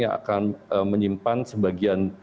yang akan menyimpan sebagian